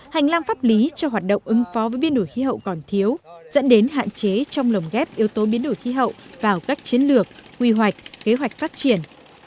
hành lang pháp lý cho hoạt động ứng phó với biến đổi khí hậu còn thiếu dẫn đến hạn chế trong lồng ghép yếu tố biến đổi khí hậu vào các chiến lược quy hoạch kế hoạch phát triển